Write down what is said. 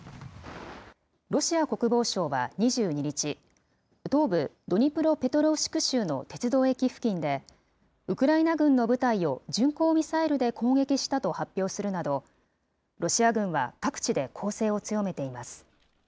ロシア国防省は２２日、東部ドニプロペトロウシク州の鉄道駅付近で、ウクライナ軍の部隊を巡航ミサイルで攻撃したと発表するなど、ロシア軍は各地で攻勢を強めています。